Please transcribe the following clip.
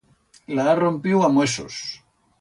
La ha rompiu a muesos.